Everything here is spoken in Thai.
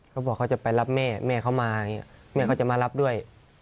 เขาบอกเขาจะไปรับแม่แม่เขามาอย่างนี้แม่เขาจะมารับด้วย